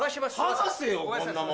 はがせよこんなもん。